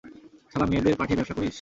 শালা মেয়েদের পাঠিয়ে ব্যবসা করিস?